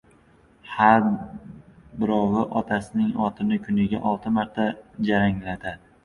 Har birovi otasining otini kuniga olti marta jaranglatadi!